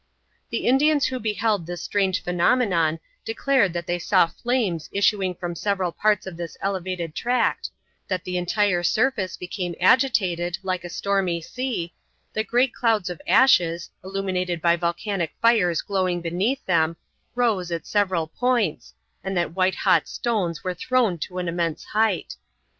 The Indians who beheld this strange phenomenon declared that they saw flames issuing from several parts of this elevated tract, that the entire surface became agitated like a stormy sea, that great clouds of ashes, illuminated by volcanic fires glowing beneath them, rose at several points, and that white hot stones were thrown to an immense height.